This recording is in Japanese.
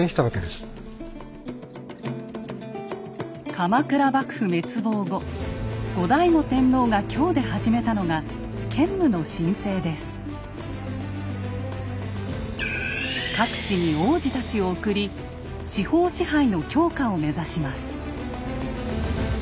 鎌倉幕府滅亡後後醍醐天皇が京で始めたのが各地に皇子たちを送り地方支配の強化を目指します。